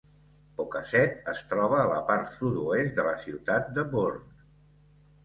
Pocasset es troba a la part sud-oest de la ciutat de Bourne.